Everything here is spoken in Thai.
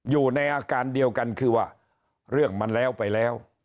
อยู่ในอาการเดียวกันคือว่าเรื่องมันแล้วไปแล้ว